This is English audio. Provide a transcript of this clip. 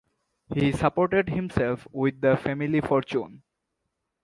He supported himself with the family fortune.